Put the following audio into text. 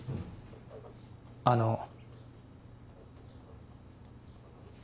あの。